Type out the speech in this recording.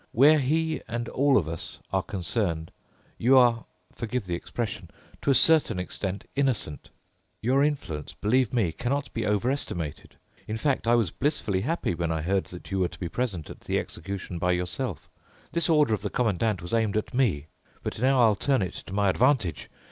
Where he and all of us are concerned you are—forgive the expression—to a certain extent innocent. Your influence, believe me, cannot be overestimated. In fact, I was blissfully happy when I heard that you were to be present at the execution by yourself. This order of the Commandant was aimed at me, but now I'll turn it to my advantage.